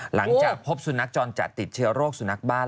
หลังจากพบสุนัขจรจัดติดเชื้อโรคสุนัขบ้าน